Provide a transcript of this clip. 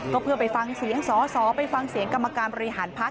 ก็เพื่อไปฟังเสียงสอสอไปฟังเสียงกรรมการบริหารพัก